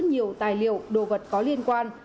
nhiều tài liệu đồ vật có liên quan